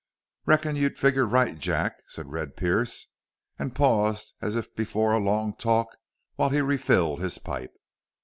"Reckon you figgered right, Jack," said Red Pearce, and paused as if before a long talk, while he refilled his pipe.